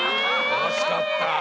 惜しかった。